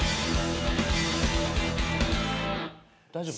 大丈夫？